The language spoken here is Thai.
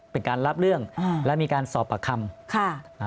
เป็นการรับเรื่องและมีการสอบปากคำค่ะอ่า